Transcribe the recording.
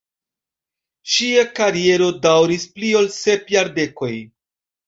Ŝia kariero daŭris pli ol sep jardekoj.